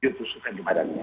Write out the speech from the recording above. diutuskan ke badannya